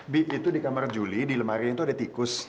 bi itu di kamar juli di lemari itu ada tikus